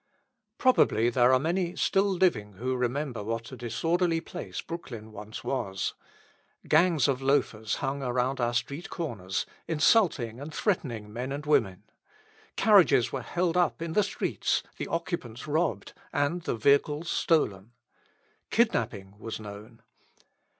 Probably there are many still living who remember what a disorderly place Brooklyn once was. Gangs of loafers hung around our street corners, insulting and threatening men and women. Carriages were held up in the streets, the occupants robbed, and the vehicles stolen. Kidnapping was known.